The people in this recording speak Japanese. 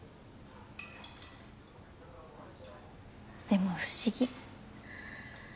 でも不思議。